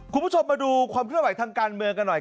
คุณผู้ชมมาดูความเคลื่อนไหวทางการเมืองกันหน่อย